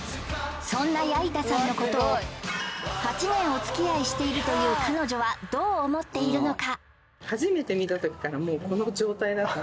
そんな矢板さんのことを８年お付き合いしているという彼女はどう思っているのか？